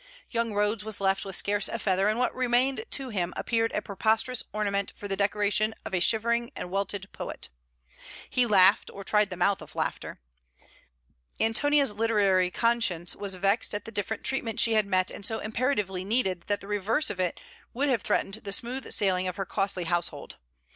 Young Rhodes was left with scarce a feather; and what remained to him appeared a preposterous ornament for the decoration of a shivering and welted poet. He laughed, or tried the mouth of laughter. ANTONIA's literary conscience was vexed at the different treatment she had met and so imperatively needed that the reverse of it would have threatened the smooth sailing of her costly household.